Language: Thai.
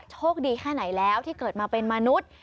โชคดีแค่ไหนแล้วที่เกิดมาเป็นมนุษย์